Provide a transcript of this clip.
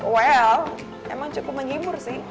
well emang cukup menghibur sih